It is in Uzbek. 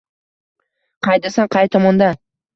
Qaydasan, qay tomonda